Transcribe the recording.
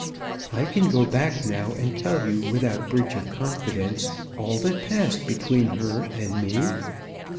I can go back now, and tell you without breach of confidence all that passed between her and me.